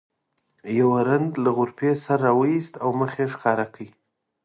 یو رند له غرفې سر راوویست او مخ یې ښکاره کړ.